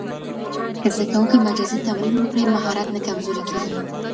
که زده کوونکی مجازي تمرین وکړي، مهارت نه کمزورې کېږي.